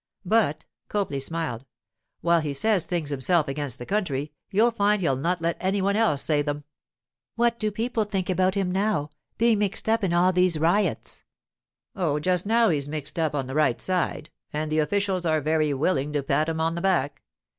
But,' Copley smiled, 'while he says things himself against the country, you'll find he'll not let any one else say them.' 'What do people think about him now—being mixed up in all these riots?' 'Oh, just now he's mixed up in the right side, and the officials are very willing to pat him on the back.